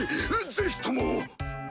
ぜひとも！